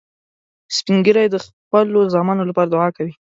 سپین ږیری د خپلو زامنو لپاره دعا کوي